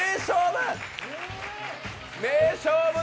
名勝負！